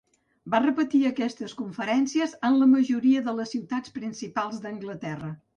Va repetir aquestes conferències en la majoria de les ciutats principals d'Anglaterra.